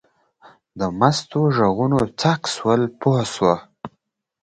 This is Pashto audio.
د مستو غوږونه څک شول پوه شوه.